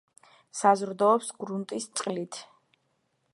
საზრდოობს გრუნტის წყლით.